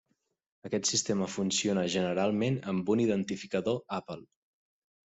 Aquest sistema funciona generalment amb un identificador Apple.